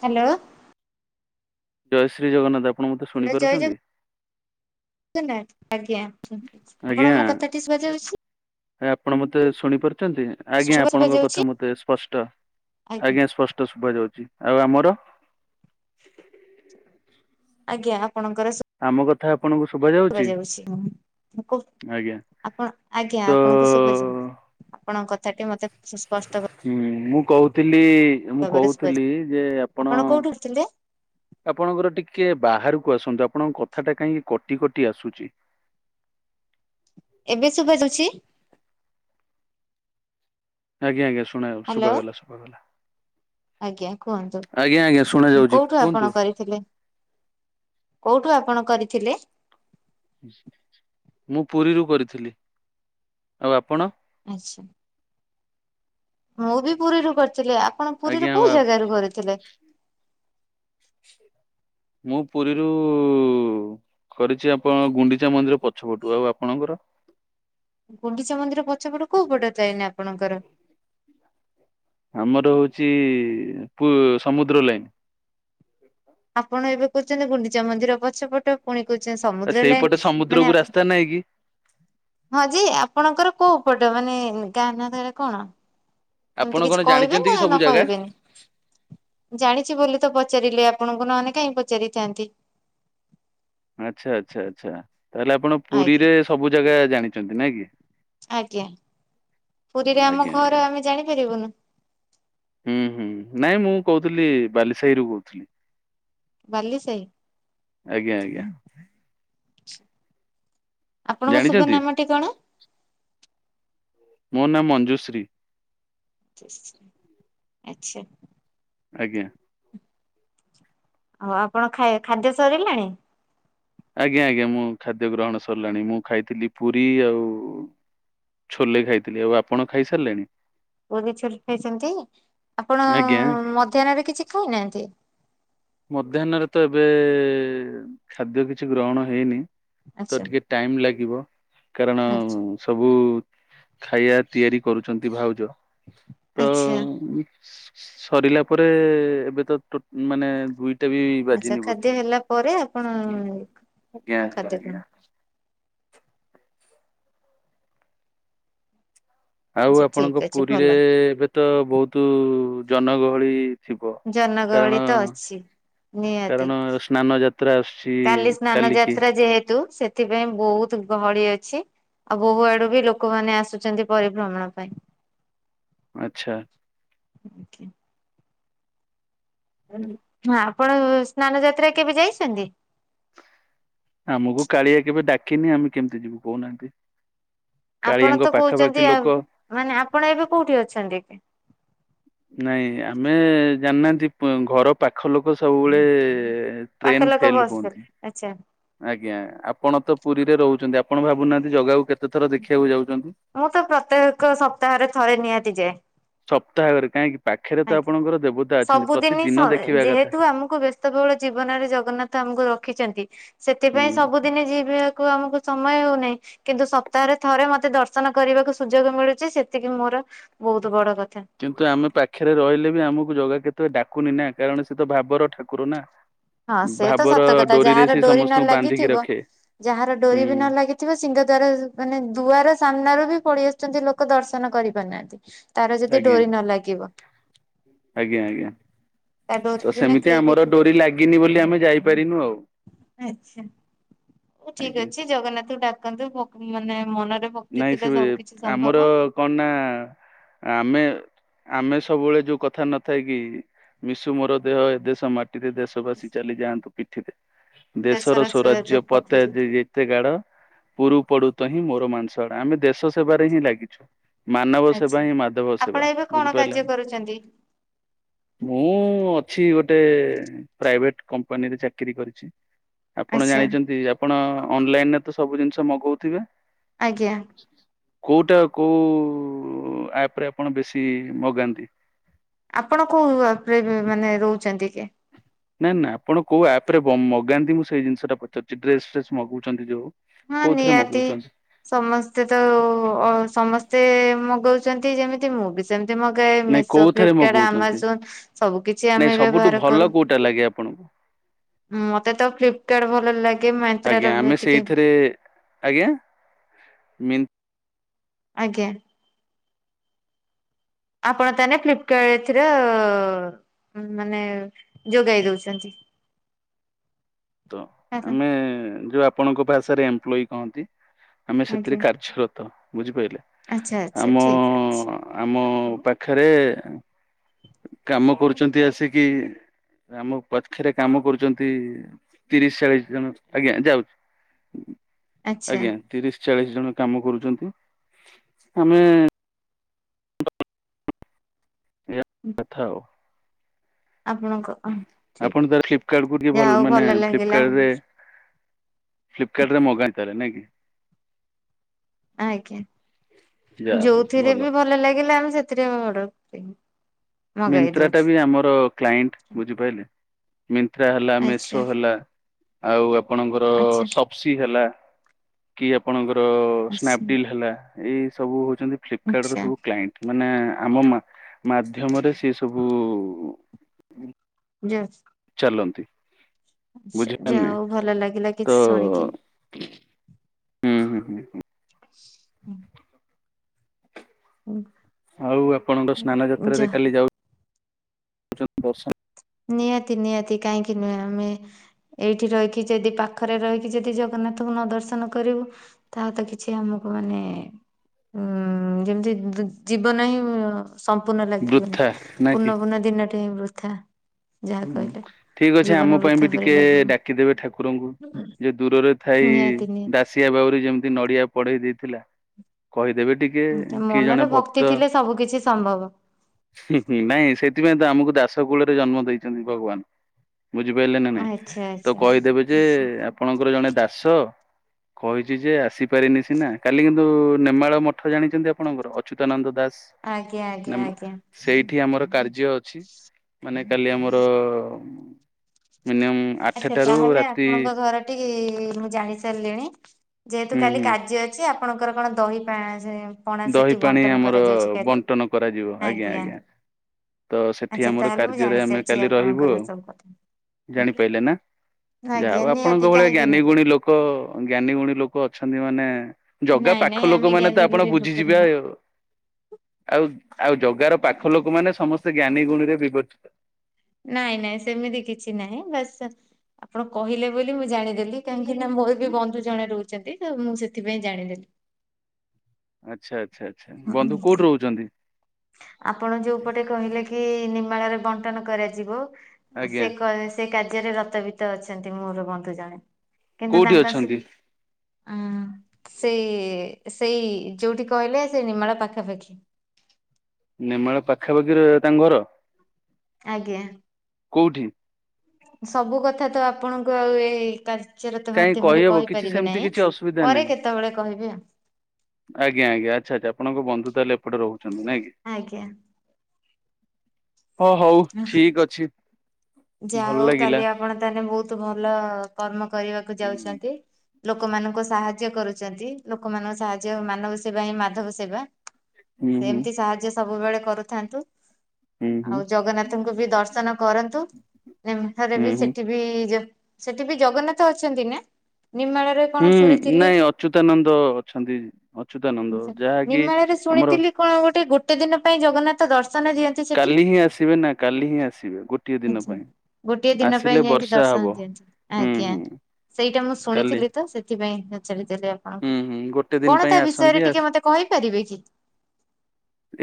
Hello! ଜୟ ଶ୍ରୀ ଜଗନ୍ନାଥ ଆପଣ ମତେ ହ୍ୟାଲୋ ଜୟ ଶୁଣିପାରୁଛନ୍ତି? [unintelligible] ଆପଣ ଆଜ୍ଞା ଙ୍କୁ ମୋକଥା ଟି ଶୁଭା ଯାଉଛି? ଆପଣ ମତେ ଶୁଣି ପାରୁଛନ୍ତି? ଆଜ୍ଞା ଶୁଭା ଆପଣଙ୍କ ଯାଉଛି କଥା ମତେ ସ୍ପଷ୍ଟ ଆଜ୍ଞା ସ୍ପଷ୍ଟ ଶୁଭ ଯାଉଛି। ଆଉ ଆମର? ଆଜ୍ଞା ଆପଣଙ୍କର ଆମ କଥା ଆପଣଙ୍କୁ ଶୁଭା ଯାଉଛି ଯାଉଛିଁ। କ ଆଜ୍ଞା ଆପଣ ଆଜ୍ଞା ତ ଆପଣଙ୍କୁ ଶୁଭାଜ ଆପଣଙ୍କ କଥାଟି ମତେ ସ୍ପଷ୍ଟ ହୁଁ ମୁଁ କହୁଥିଲି ମୁଁ ଭାବରେ ଶୁଭାଯାଉ କହୁଥିଲି ଯେ ଆପଣ କୋଉଠୁ ଥିଲେ ଆପଣଙ୍କର ଟିକେ ଟିକେ ବାହାରକୁ ଆସନ୍ତୁ, ଆପଣଙ୍କ କଥା ଟା କାହିଁକି କଟି କଟି ଆସୁଛି। ଏବେ ଶୁଭା ଯାଉଛି? ଆଜ୍ଞା ଆଜ୍ଞା ଶୁଣା ହ୍ୟାଲୋ ଶୁଭାଗଲା ଶୁଭାଗଲା। ଆଜ୍ଞା। କୁହନ୍ତୁ ଆଜ୍ଞା ଆଜ୍ଞା ଶୁଣା ଯାଉଛି କୋଉଠୁ କୁହନ୍ତୁ। ଆପଣ କରିଥିଲେ? କୋଉଠୁ ଆପଣ କରିଥିଲେ? ମୁଁ ପୁରୀରୁ କରିଥିଲି, ଆଉ ଆପଣ? ଆଚ୍ଛା। ମୁଁ ବି ପୁରୀରୁୁ କରିଥିଲି, ଆପଣ ଆଜ୍ଞା ପୁରୀରୁ କୋଉ ଆଉ ଜାଗାରୁ କରିଥିଲେ? ମୁଁ ପୁରୀରୁ କରିଛି ଆପଣ ଗୁଣ୍ଡିଚା ମନ୍ଦିର ପଛପଟୁ, ଆଉ ଆପଣଙ୍କର? ଗୁଣ୍ଡିଚା ମନ୍ଦିର ପଛପଟୁ କୋଉ ପଟ ଯାଏନି ଆପଣଙ୍କର? ଆମର ହଉଛି ପ ସମୁଦ୍ର ଲାଇନ୍। ଆପଣ ଏବେ କୁଛନ୍ତି, ଗୁଣ୍ଡିଚା ମନ୍ଦିର ପଛପଟ ପୁଣି କହୁଛନ୍ତି ଆ ସମୁଦ୍ର ସେଇପଟେ ଲାଇନ ମାନେ, ସମୁଦ୍ରକୁ ରାସ୍ତା ନାହିଁ କି ହଁ ଯେ ଆପଣଙ୍କର କୋଉ ପଟ ମାନେ ଗାନ ନାଁଟା କଣ? ଆପଣ ଏମିତି କଣ କିଛି କହିବେ ଜାଣିଛନ୍ତି ନା କି ସବୁ ନ ଜାଗା? କହିବେନି ଜାଣିଛି ବୋଲି ତ ପଚାରିଲେ ଆପଣଙ୍କୁ ନହେ କାହିଁ ପଚାରିଥାନ୍ତି। ଆଛା ଆଛା ଆଛା ତାହଲେ ଆପଣ ଆଜ୍ଞା ପୁରୀରେ ସବୁ ଜାଗା ଜାଣିଛନ୍ତି, ନାଇଁ କି? ଆଜ୍ଞା ପୁରୀରେ ଆମ ଆଜ୍ଞା ଆଜ୍ଞା ଘର ଆମେ ଜାଣିପାରିବୁନୁ। ହୁଁ ହୁଁ ନାଇଁ ମୁଁ କହୁଥିଲି, ବାଲି ସାହିରୁୁ କହୁଥିଲି। ବାଲିସାହି। ଆଜ୍ଞା ଆଜ୍ଞା। ଆପଣଙ୍କ ଶୁଭ ଜାଣିଛନ୍ତି ନାମଟି କଣ? ମୋ ନାମ ମଞ୍ଜୁଶ୍ରୀ। ମଞ୍ଜୁଶ୍ରୀ ଆଚ୍ଛା। ଆଜ୍ଞା। ଆଉ ଆପଣ ଖାଇ ଖାଦ୍ୟ ସରିଲାଣି? ଆଜ୍ଞା ଆଜ୍ଞା ମୁଁ ଖାଦ୍ୟ ଗ୍ରହଣ ସରିଲାଣି, ମୁଁ ଖାଇଥିଲି ପୁରୀ ଆଉ ଛୋଲେ ଖାଇଥିଲି। ଆଉ ଆପଣ ଖାଇସାରିଲେଣି? ପୁର ଛୋଲେ ଖାଇଛନ୍ତି, ଆପଣ ଆଜ୍ଞା ମଧ୍ୟାହନରେ କିଛି ଖାଇନାହାନ୍ତି? ମଧ୍ୟାହ୍ନରେ ତ ଏବେ ଖାଦ୍ୟ କିଛି ଗ୍ରହଣ ହେଇନି। ତ ଆଚ୍ଛା ଟିକେ ଟାଇମ ଲାଗିବ କାରଣ ଆଚ୍ଛା ସବୁ ଖାଇବା ତିଆରି କରୁଛନ୍ତି, ଭାଉଜ ତ ଆଚ୍ଛା। ସରିଲା ପରେ ଏବେ ତ ମାନେ- ଦୁଇଟା ବି ଆଚ୍ଛା ବାଜିିନି ଖାଦ୍ୟ ବୋଧେ, ହେଲା ପରେ ଆପଣ ଆଜ୍ଞା ଖାଦ୍ୟ ଗ୍ରହଣ ଆଜ୍ଞା। ଆଉ ଆଚ୍ଛା ଠିକ ଆପଣଙ୍କ ଅଛି ପୁରୀରେ ଭଲ। ଏବେ ତ ବହୁତ ଜନଗହଳି ଥିବ। କାରଣ ଜନଗହଳି ତ ଅଛି। ନିହାତି କାରଣ ସ୍ନାନ ଯାତ୍ରା ଆସୁଛି କାଲି ସ୍ନାନ କାଲିକି ଯାତ୍ରା ଯେହେତୁ ସେଥିପାଇଁ ବହୁତ ଗହଳି ଅଛି, ଆଉ ବୋହୁ ଆଡୁ ବି ଲୋକମାନେ ଆସୁଛନ୍ତି, ପରିଭ୍ରମଣ ପାଇଁ। ଆଚ୍ଛା। ଆଜ୍ଞା। ହ ଆପଣ ସ୍ନାନ ଯାତ୍ରା କେବେ ଯାଇଛନ୍ତି? ଆମକୁ କାଳିଆ କେବେ ଡାକିନି ଆମେ କେମିତି ଯିବୁ କହୁନାହାନ୍ତି? ଆପଣ କାଳିଆଙ୍କ ତ ପାଖାପାଖି କହୁଚନ୍ତି ଆଉ ଲୋକ ମାନେ ଆପଣ ଏବେ କୋଉଠି ଅଛନ୍ତି ଏବେ? ନାଇଁ ଆମେ ଜାଣିନାହାନ୍ତି ଘର ପାଖ ଲୋକ ସବୁବେଳେ ପାଖ ଟ୍ରେନ ଲୋକ ଫେଲ ବସ ହୁଅନ୍ତି ଆଚ୍ଛା ଆଜ୍ଞା ଆପଣ ତ ପୁରୀରେ ରହୁଚନ୍ତି ଆପଣ ଭାବୁନାହାନ୍ତି ଜଗାକୁ କେତେ ଥର ଦେଖିବାକୁ ଯାଉଛନ୍ତି। ମୁଁ ତ ପ୍ରତ୍ୟେକ ସପ୍ତାହରେ ଥରେ ନିହାତି ଯାଏ। ସପ୍ତାହକରେ କାହିଁକି ପାଖରେ ତ ଆଜ୍ଞା। ଆପଣଙ୍କର ଦେବ ସବୁଦିନ ସ ଯେହେତୁ ଆମକୁ ବ୍ୟସ୍ତ ବହୁଳ ଜୀବନରେ ଜଗନ୍ନାଥ ଆମକୁ ରଖିଚନ୍ତି। ହୁଁ ସେଥିପାଇଁ ସବୁଦିନି ଯିବାକୁ ଆମକୁ ସମୟ ହଉନାହିଁ କିନ୍ତୁ ସପ୍ତାହରେ ଥରେ ମତେ ଦର୍ଶନ କରିବା କୁ ସୁଯୋଗ ମିଳୁଚି ସେତିକି ମୋର ବହୁତ ବଡ କଥା। କିନ୍ତୁ ଆମେ ପା ପାଖରେ ରହିଲେ ବି ଆମକୁ ଜାଗା କେତେବେ ଡାକୁନି ନା କାରଣ ସେ ତ ଭାବର ଠାକୁର ନା? ହଁ ସେ ତ ଭାବର ସତ କଥା ଡୋରିରେ ଯାହାର ସେ ଡୋରି ନ ସମସ୍ତଙ୍କୁ ବାନ୍ଧିକି ଲାଗିଥିବ ରଖେ। ଯାହାର ହୁଁ ଡୋରି ବି ନ ଲାଗିଥିବ ସିଂହ ଦ୍ଵାର ମାନେ ଦୁଆର ସାମ୍ନାରୁ ବି ପଡିଆସ ଆସୁଚନ୍ତି ଲୋକ ଦର୍ଶନ କରି ପାରୁନାହାନ୍ତି। ତାର ଯଦି ଆଜ୍ଞା। ଡୋରି ନ ଲାଗିବ। ଆଜ୍ଞା ଆଜ୍ଞା ତା ଡୋରି ତ ବିନା ସେମିତି କେହି ବି ଆମର ଡୋରି ଲାଗିନି ବୋଲି ଆମେ ଯାଇପାରିନୁ ଆଉ ଆଚ୍ଛା। ହଉ ଠିକ ଆଜ୍ଞା। ଅଛି ଜଗନ୍ନାଥଙ୍କୁ ଡାକନ୍ତୁ ପ ମାନେ ମନ ନାଇଁ ସେ ଆମର କଣ ନା ଆମେ ଆମେ ସବୁବେଳେ ଯୋଉ କଥା ନଥାଇ କି ମିଶୁ ମୋର ଦେହ ଏ ଦେଶ ମାଟି ପିଠିରେ ଦେଶବାସୀ ଚାଲିଯାଆନ୍ତୁ ପିଠିରେ। ଦେଶର ସ୍ୱରାଜ୍ୟ ପତେ ଯେତେ ଗାଢ ପୁରୁ ପଡୁ ତ ହିଁ ମୋର ମାଂସ କଡ଼ା ଆମେ ଦେଶ ସେବାରେ ହିଁ ଲାଗିଚୁ। ମାନବ ସେବା ଆଚ୍ଛା। ହିଁ ମାଧବ ଆପଣ ସେବା ଏବେ କଣ କାର୍ଯ୍ୟ ବୁଝିପାରିଲେନା? କରୁଛନ୍ତି? ମୁଁ ଅଛି ଗୋଟ ଟେ ପ୍ରାଇଭେଟ କମ୍ପାନୀରେ ଚାକିରି କରିଚି। ଆପଣ ଆଚ୍ଛା ଜାଣିଚନ୍ତି ଆପଣ ଅନଲାଇନରେ ତ ସବୁ ଜିନିଷ ମଗଉଥିବେ। ଆଜ୍ଞା। କୋଉଟା କୋଉ ଆପ ରେ ଆପଣ ବେଶୀ ମଗାନ୍ତି? ଆପଣ କୋଉ ଆପରେ ମାନେ ରହୁଚନ୍ତି କି? ନାଇଁ ନାାଇଁ ଆପଣ କଉଁ ଆପ୍ ରେ ମ ମଗାନ୍ତି ମୁଁ ସେଇ ଜିନିଷଟା ପଚାରୁଛି ଡ୍ରେସ ଫ୍ରେସ୍ ମଗଉଚନ୍ତି ଯଉଁ ହଁ ନିହାତି ସମସ୍ତେ ତ ଓ ସମସ୍ତେ ମଗଉଚନ୍ତି ଯେମିତି ମୁଁ ବି ସେମିତ ମଗାଏ ନାଇଁ ମେସୋ କୋଉଥିରେ ଫ୍ଲିପକାର୍ଟ ମଗଉଛନ୍ତି? ଆମାଜନ ସବୁ କିଛି ଆମେ ବ୍ୟବହାର କରୁ। ଆପଣ ମତେ ତ ଫ୍ଲିପକାର୍ଟ ଭଲ ଲାଗେ ମେନ୍ତ୍ରା ଆଜ୍ଞା ର ଆମେ ଟିକେ ସେଇଥିରେ ଆଜ୍ଞା ମିନ ଆଜ୍ଞା। ଆପଣ ତାହେଲେ ଫ୍ଲିପକାର୍ଟ ଏଥିର ମାନେ ଯୋଗାଇ ଦଉଚନ୍ତି। ତ ଆମେ ଯୋଉ ଆପଣଙ୍କ ଭାଷାରେ ଏମ୍ପୋଲୟ କହନ୍ତି। ଆମେ ସେଥିରେ ଆଜ୍ଞା କାର୍ଯ୍ୟରତ। ବୁଝିପାଇଲେ ଆଚ୍ଛା ଆଚ୍ଛା ଆମ ଠିକ ଅଛି ଆମ ପାଖେରେ ମ କରୁଚନ୍ତି ଆସିକି ଆମ ପାଖେରେ କାମ କରୁଚନ୍ତି ତିରିଶ ଚାଳିଶ ଜଣ ଆଜ୍ଞା ଯାଉଚି। [unintelligible] ଆଚ୍ଛା ଆଜ୍ଞା ତିରିଶ ଚାଳିଶ ଜଣ କାମ କରୁଚନ୍ତି। ଆମେ କଥାଅ। ଆପଣଙ୍କ ଅ ଆପଣ ଠିକ, ତାର ଫ୍ଲିପକାର୍ଟ କୁ ଟିକେ ଯାହେଉ ମାନେ ଭଲ ଲାଗିଲା ଆଉ। ଫ୍ଲିପକାର୍ଟରେ ମଗାନ୍ତି ତାହେଲେ ନାଇଁ କି? ଆଜ୍ଞା ଯାହା ହଉ ଯୋଉଥିରେ ବି ଭଲ ଲାଗିଲା ଆମେ ସେଥିରେ ଅର୍ଡର ଦେ ମିନ୍ତ୍ରା ଟା ବି ଆମର କ୍ଲାଇଣ୍ଟ ବୁଝିପାଇଲେ। ମିନ୍ତ୍ରା ହେଲା ଆଚ୍ଛା ମେସୋ ହେଲା ଆଉ ଆପଣଙ୍କର ଆଚ୍ଛା ସପ୍ସି ହେଲା। କି ଆପଣଙ୍କର ଆଚ୍ଛା। ସ୍ନାପଡିଲ୍ ହେଲା ଏଇ ସବୁ ଉ ମାନେ ଫ୍ଲିପକାଡ଼ ର ଆଚ୍ଛା ସବୁ କ୍ଲାଇଣ୍ଟ ମାନେ ଆମ ମା ମାର୍ଜି ମାଧ୍ୟମରେ ସେ ସବୁ ଉ ଉଁ ଲନ୍ତି ଆଛା ଯାହା ହଉ ଭଲ ଲାଗିଲା ତ କିଛି ଶୁଣିକି, ହୁଁ ହୁଁ ହୁଁ ହୁଁ, [unintelligible] ଆଉ ଆପଣଙ୍କ ସ୍ନାନ ଯାତ୍ରାରେ ଯାହା କାଲି ଯାଉଛନ୍ତି ଦର୍ଶନ ନିହାତି ନିହାତି କାହିଁକି ନୁହେଁ ଆମେ ଏଇଠି ରହିକି ଯଦି ପାଖରେ ରହିକି ଯଦି ଜଗନ୍ନା ଜଗନ୍ନାଥଙ୍କୁ ନ ଦର୍ଶନ କରିବୁ ତାହା ତ କିଛି ଆମକୁ ମାନେ ହୁଁ ଯେମିତି ଯିବ ନାହିଁ ଅଂ ଅଂ ସମ୍ପୂର୍ଣ୍ଣ ଲାଗିବନି ବୃଥା ନା ପୂର୍ଣ୍ଣ ପୂର୍ଣ୍ଣ ଦିନଟି ହିଁ ବୃଥା। ଯାହା ହୁଁ କହିଲେ ଠିକ ଅଛି ଜୀବନ ଆମ ପାଇଁ ବୃଥା ବି ପରି ଟିକେ ଲାଗିବ। ଡାକିଦେବେ ଠାକୁରଙ୍କୁ। ଯୋଉ ଦୂରରେ ଥାଇ ନିହାତି ଦାସିଆବାଉରୀ ଯେମିତି ନଡିଆ ବଢେ଼ଇ ଦେଇଥିଲା କହିଦେବେ ଟିକେ ନିହାତି କିଏ ଜଣେ ମନରେ ଭକ୍ତ ଭକ୍ତି ଥିଲେ ସବୁ କିଛି ସମ୍ଭବ। ନାଇଁ ସେଥିପାଇଁ ତ ଆମକୁ ଦାସ କୂଳରେ ଜନ୍ମ ଦେଇଛନ୍ତି ଭଗବାନ ବୁଝିପାଇଲେ ନା ନାଇଁ ଆଚ୍ଛା ତ ଆଚ୍ଛା କହିଦେବେ ଯେ ଆପଣଙ୍କର ଜଣେ ଦାସ କହିଛି ଯେ ଆସିପାରିନି ସିନା କାଲି କିନ୍ତୁ ନେମାଳ ମଠ ଜାଣିଛନ୍ତି ଆପଣଙ୍କର ଅଚ୍ୟୁତାନନ୍ଦ ଦାସ। ଆଚ୍ଛା ଆଜ୍ଞା ନା ଆଜ୍ଞା ମ ଆଜ୍ଞା। ସେଇଠି ଆମର କାର୍ଯ୍ୟ ଝିଅ ଅଛି ମାନେ କାଲି ଆମର ଉଁ ମିନିମମ୍ ଆଠଟାରୁ ରାତି କି ମୁଁ ଜାଣି ସାରିଲିଣି ଯେହେତୁ ହୁଁ କାଲି ହୁଁ କାର୍ଯ୍ୟ ଅଛି ଆପଣଙ୍କର କଣ ଦହି ପା ଦହି ପାଣି ଆମର କାଲି? ବଣ୍ଟନ କରାଯିବ ଆଜ୍ଞା ଆଜ୍ଞା। ତ ସେଠି ଆଚ୍ଛା ଆମର ତାହେଲେ ମୁଁ କାର୍ଯ୍ୟରେ ଆମେ ଜାଣିସାରିଛି କାଲି ରହିବୁ ଆପଣଙ୍କର ଆଉ ସବୁ କଥା। ଆଜ୍ଞା ଜାଣିପାଇଲେ। ଯାହା ଆଜ୍ଞା ଆଉ ନିହାତି ଆପଣଙ୍କ ଭଳିଆ କାହିଁକି ଜ୍ଞାନୀ ନୁହେଁ। ଗୁଣୀ ଲୋକ ଜ୍ଞାନୀ ଗୁଣୀ ଲୋକ ଅଛନ୍ତି ମାନେ ଜଗା ନାଇଁ ପାଖ ନାଇଁ ଲୋକ ଆମେ ମାନେ ତ ଜ୍ଞାନୀ ଆପଣ ଗୁଣୀ ଲୋକ ବୁଝିଯିବେ ନୁହଁ ଆଉ। ଆଉ ଜଗାର ପାଖ ଲୋକ ମାନେ ସମସ୍ତେ ଜ୍ଞାନୀ ଗୁଣୀରେ ବିବର୍ଚିତ। ନାଇଁ ନାଇଁ ସେମିତି କିଛି ନାହିଁ ବାସ ଆପଣ କହିଲେ ବୋଲି ମୁଁ ଜାଣିଦେଲି କାହିଁକି ନା ମୋର ବି ବନ୍ଧୁ ଜଣେ ରହୁଛନ୍ତି ତ ମୁଁ ସେଥିପାଇଁ ଜାଣିଦେଲି। ଆଚ୍ଛା ଆଚ୍ଛା ଆଚ୍ଛା ହଁ ବନ୍ଧୁ କୋଉଠି ଆଜ୍ଞା ରହୁଛନ୍ତି ଆପଣ ଯୋଉପଟେ କହିଲେ କି ନି ଳରେ ବଣ୍ଟନ କରାଯିବ ସେ ଆଜ୍ଞା କଏ ସେ କାର ରାଜରେ ରତ ବିତ ଅଛନ୍ତି ମୋର ବନ୍ଧୁ ଜଣେ କିନ୍ତୁ କୋଉଠି ତାଙ୍କ ସି ଅଛନ୍ତି ଉଁ ସେଇ ସେଇ ଯଉଠି କହିଲେ ନିିମାଳ ପାଖାପାଖି। ନେମାଳ ପାଖାପାଖିରେ ତାଙ୍କ ଘର? ଆଜ୍ଞା। କୋଉଠି? ସବୁ କଥା ତ ଆପଣଙ୍କୁ ଆଉ ଏଇ କାର ଚର ତ କାହିଁ ମାଧ୍ୟମରେ କହିହବ କିଛି କହିପାରିବି ସେମିତି ନାହିଁ କିଛି ଅସୁବିଧା ନାହିଁ। ପରେ କେତେବେଳେ କହିବେ ଆଉ ଆଜ୍ଞା ଆଜ୍ଞା ଆଚ୍ଛା ଆଛା ଆପଣଙ୍କ ବନ୍ଧୁ ତାହଲେ ଏପଟେ ରହୁଛନ୍ତି ନାଇଁ କି? ଆଜ୍ଞା। ହଁ ହଉ ଠିକ ଅଛି। ଯାହା ଭଲ ହଉ ଲାଗିଲା। କାଲି ଆପଣ ତାହେଲେ ବହୁତ ଭଲ କର୍ମ କରିବାକୁ ଯାଉଛନ୍ତି ଲୋକମାନଙ୍କୁ ସାହା ଯ୍ୟ କରୁଛନ୍ତି ଲୋକମାନଙ୍କ ସାହାଯ୍ୟ ମାନବ ସେବା ହିଁ ମାଧବ ସେବା ହୁଁ ହୁଁ ସେମିତି ସାହାଯ୍ୟ ସବୁବେଳେ କରୁଥାନ୍ତୁ ହୁଁ ହୁଁ ଆଉ ଜଗନ୍ନାଥଙ୍କୁ ବି ଦର୍ଶନ କରନ୍ତୁ। ଇମ୍ଫାରେ ହୁଁ ବି ହୁଁ ସେଠି ବି ସେଠି ବି ଜଗନ୍ନାଥ ଅଛନ୍ତି ନା? ନିମାଳରେ କଣ ହୁଁ ଶୁଣିଥିଲି ନାଇଁ ଅଚ୍ୟୁତାନନ୍ଦ ଅଛନ୍ତି। ଅଚ୍ୟୁତାନନ୍ଦ ଯାହାକି ନିମାଳ ରେ ସୁ ଆମର ଶୁଣିଥିଲି କଣ ଗୋଟେ ଗୋଟେ ଦିନ ପାଇଁ ଜଗନ୍ନାଥ ଦର୍ଶ କାଲି ହିଁ ଆସିବେ ନା କାଲି ହିଁ ଆସିବେ ଗୋଟିଏ ଦିନ ଆଛା ପାଇଁ। ଗୋଟିଏ ଦିନ ପାଇଁ ଆସିଲେ ଯାଇକି ବର୍ଷା ହବ ଦର୍ଶନ ଦିଅନ୍ତି ହୁଁ ଆଜ୍ଞା ହୁଁ ସେଇଟା ମୁଁ କାଲି ଶୁଣିଥିଲି ତ ସେଥିପାଇଁ ପଚାରି ଲେ ହୁଁ ଆପଣଙ୍କୁ ହୁଁ ଗୋଟେ ଦିନ କଣ ପାଇଁ ତା ଆସନ୍ତି ବିଷୟରେ ଆସି ଟିକେ ମତେ କହିପାରିବେ କି?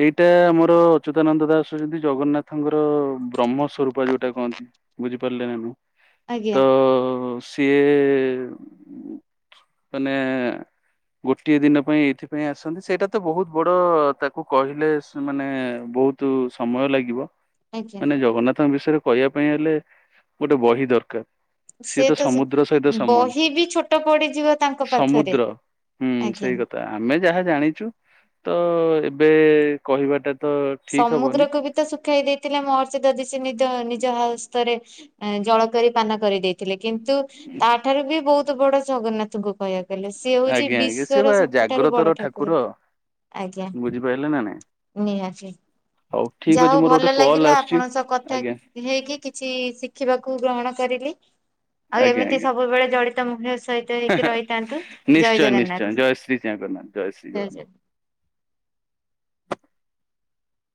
ଏଇଟା ଆମର ଅ ଚିତାନନ୍ଦ ଦାସ ହଉଛନ୍ତି ଜଗନ୍ନାଥଙ୍କର ବ୍ରହ୍ମ ସରୂପା ଯୋଉଟା କୁହନ୍ତି ବୁଝିପାରିଲେ ନା ନୁହଁ। ତ ଆଜ୍ଞା। ସିଏ ମାନେ ଗୋଟିଏ ଦିନ ପାଇଁ ଏଇଥିପାଇଁ ଆସନ୍ତି ସେଇଟା ତ ବହୁତ ବଡ ତାକୁ କହିଲେ ମାନେ ବହୁତ ସମୟ ଲାଗିବ। ଆଜ୍ଞା ମାନେ ଜଗନ୍ନାଥଙ୍କ ବିଷୟରେ କହିବା ପାଇଁ ହେଲେ ଗୋଟେ ବହି ଦରକାର। ସିଏ ସେ ତ ସେ ସମୁଦ୍ର ସହିତ ସମାନ ବହି ବି ଛୋଟ ପଡିଯିବ ତାଙ୍କ ପାଖରେ ସମୁଦ୍ର ହୁଁ ଆଜ୍ଞା। ସେଇ କଥା ଆମେ ଯାହା ଜାଣିଛୁ ତ ଏବେ କହିବାଟା ତ ଠିକ ହବନି ସମୁଦ୍ରକୁ ବି ତ ଶୁଖେଇ ଦେଇଥିଲେ ମହର୍ଷି ଦଧି ସେ ନି ନିଜ ହସ୍ତରେ ଜଳ କରି ପାନ କରିଦେଇଥିଲେ କିନ୍ତୁ ତାଠାରୁ ବି ବହୁତ ବହୁତ ବଡ ଜଗନ୍ନାଥଙ୍କୁ କହିବାକୁ ଗଲେ ସେଏ ହଉଛି ଆଜ୍ଞା ଆଜ୍ଞା ସେ ବା ବିଶ୍ଵର ସବୁଠାରୁ ଜାଗ୍ରତର ବଡ ଠାକୁର। ଆଜ୍ଞା ବୁଝିପାରିଲେ ନା ନାଇଁ ନିହାତି। ହଉ ଠିକ ଯା ଅଛି ହଉ ମୋର ଗୋଟେ ଭଲ କଲ୍ ଲାଗିଲା ଆସୁଛି ଆପଣ ସହ କଥା ଆଜ୍ଞା ହେଇକି କିଛି ଶିଖିବାକୁ ଗ୍ରହଣ କଲି ଆଉ ଆଜ୍ଞା ଏମିତି ଆଜ୍ଞା ସବୁବେଳେ ଜଡିତ ମୁହିଁ ନିଶ୍ଚୟ ନିଶ୍ଚୟ ଜଗନ୍ନାଥ ଜୟ ଶ୍ରୀ ଜଗନ୍ନାଥ ଜୟ ଶ୍ରୀ ଜଗନ୍ନାଥ।